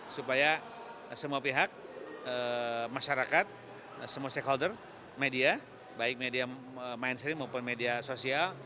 supaya semua pihak masyarakat semua stakeholder media baik media mainstream maupun media sosial